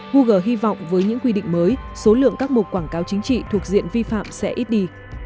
google hy vọng với những quy định mới số lượng các mục quảng cáo chính trị thuộc diện vi phạm sẽ ít đi